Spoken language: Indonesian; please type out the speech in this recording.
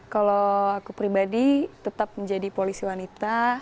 kalau aku pribadi tetap menjadi polisi wanita